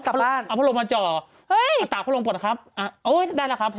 อุ๊ยออนลงมาแล้วครับ